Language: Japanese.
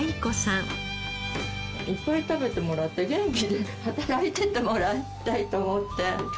いっぱい食べてもらって元気に働いていてもらいたいと思って。